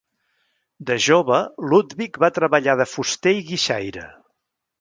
De jove, Ludwig va treballar de fuster i guixaire.